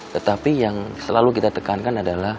tetapi yang selalu kita tekankan adalah